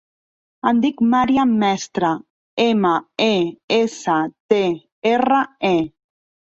Em dic Màriam Mestre: ema, e, essa, te, erra, e.